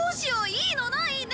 いいのない？